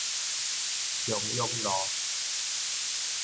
松勇路